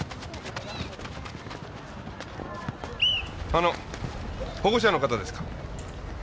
あの保護者の方ですか？